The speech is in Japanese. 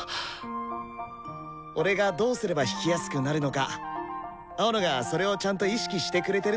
俺がどうすれば弾きやすくなるのか青野がそれをちゃんと意識してくれてるのが分かるよ。